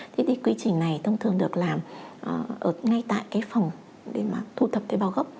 thế thì quy trình này thông thường được làm ở ngay tại cái phòng để mà thu thập tế bào gốc